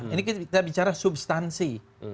ini kita bicara substansi